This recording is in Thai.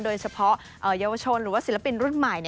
โดยเฉพาะเยาวชนหรือว่าศิลปินรุ่นใหม่